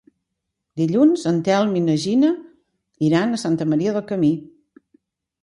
Dilluns en Telm i na Gina iran a Santa Maria del Camí.